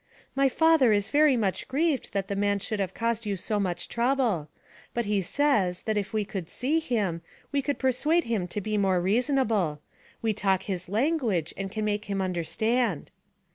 'My father is very much grieved that the man should have caused you so much trouble. But he says, that if we could see him, we could persuade him to be more reasonable. We talk his language, and can make him understand.'